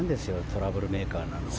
トラブルメーカーなのは。